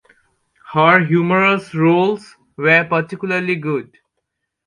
Her humorous roles were particularly good.